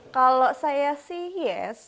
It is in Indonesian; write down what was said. kalau saya sih yes